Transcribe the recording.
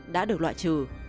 đã được loại trừ